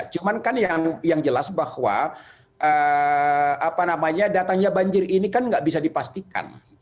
cuman kan yang jelas bahwa datangnya banjir ini kan nggak bisa dipastikan